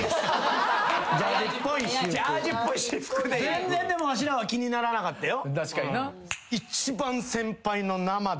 全然でもわしらは気にならなかったよ。